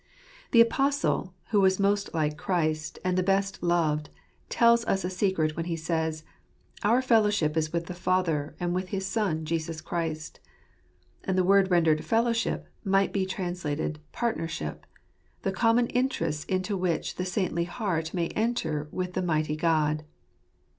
The Apostle, who was the most like Christ, and the best loved, tells us a secret when he says, " Our fellowship is with the Father, and with his Son, Jesus Christ." And the word rendered fellowship might be translated partner ship] the common interests into which the saintly heart may enter with the mighty God.